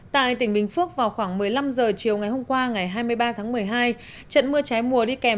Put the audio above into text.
tại tỉnh bình phước vào khoảng một mươi năm h chiều ngày hôm qua ngày hai mươi ba tháng một mươi hai trận mưa trái mùa đi kèm